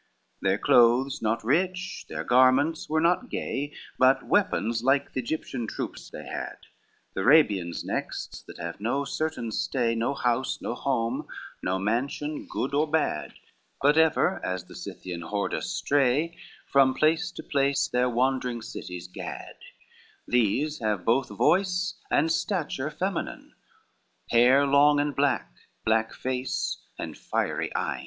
XXI Their clothes not rich, their garments were not gay, But weapons like the Egyptian troops they had, The Arabians next that have no certain stay, No house, no home, no mansion good or bad, But ever, as the Scythian hordes stray, From place to place their wandering cities gad: These have both voice and stature feminine, Hair long and black, black face, and fiery eyne.